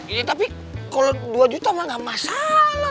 ini tapi kalau dua juta mah gak masalah